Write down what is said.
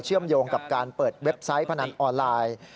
มโยงกับการเปิดเว็บไซต์พนันออนไลน์